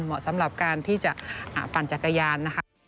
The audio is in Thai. เหมาะสำหรับการที่จะปั่นจากกายาน